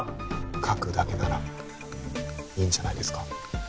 書くだけならいいんじゃないですか？